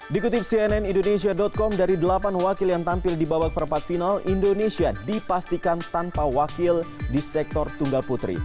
dikutip cnn indonesia com dari delapan wakil yang tampil di babak perempat final indonesia dipastikan tanpa wakil di sektor tunggal putri